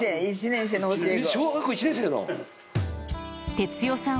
哲代さん。